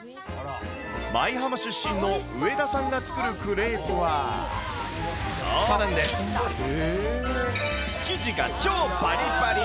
舞浜出身の上田さんが作るクレープは、そうなんです、生地が超ぱりぱり。